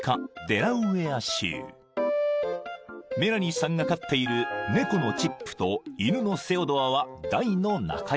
［メラニーさんが飼っている猫のチップと犬のセオドアは大の仲良し］